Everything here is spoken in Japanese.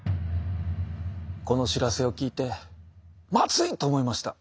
この知らせを聞いて「まずい！」と思いました。